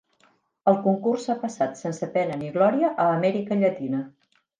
El concurs ha passat sense pena ni glòria a Amèrica Llatina.